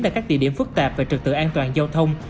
tại các địa điểm phức tạp về trực tự an toàn giao thông